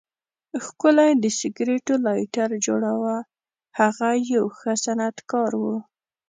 ښکلی د سګریټو لایټر جوړاوه، هغه یو ښه صنعتکار و.